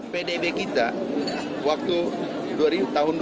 pdb kita waktu tahun dua ribu empat belas